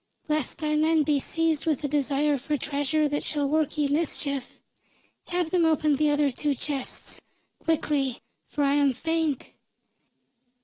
Lest thy men be seized with a desire for treasure that shall work ye mischief, have them open the other two chests. Quickly, for I am faint."